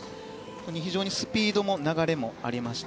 非常にスピードも流れもありました。